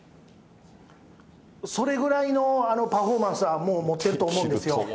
それぐらいのパフォーマンスは、もう持ってると思うんですよ。